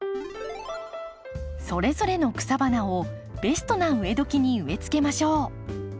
それぞれの草花をベストな植えどきに植えつけましょう。